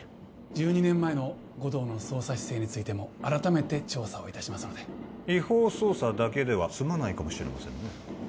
１２年前の護道の捜査姿勢についても改めて調査をいたしますので違法捜査だけではすまないかもしれませんね